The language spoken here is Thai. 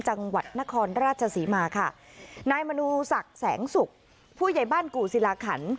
จังหวัดนครราชศรีมาค่ะนายมนูศักดิ์แสงสุกผู้ใหญ่บ้านกู่ศิลาขัน